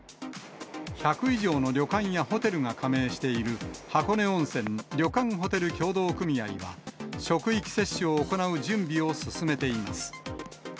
１００以上の旅館やホテルが加盟している、箱根温泉旅館ホテル協同組合は、職域接種を行う準備を進めています。